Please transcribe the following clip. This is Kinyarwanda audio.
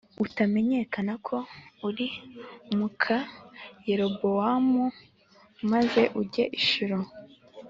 utamenyekana ko uri muka Yerobowamu maze ujye i Shilo